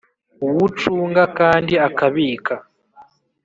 Uw ucunga kandi akabika